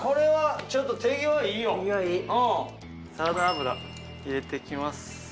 手際いいサラダ油入れていきます